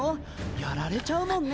やられちゃうもんね。